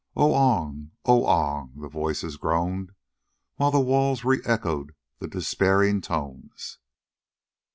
"Oong! Oong!" the voices groaned, while the walls re echoed the despairing tones.